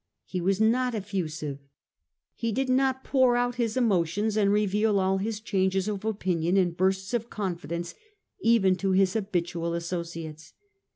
He was not effusive ; he did not pour out his emotions and reveal all his changes of opinion in bursts of confidence even to his habitual associates.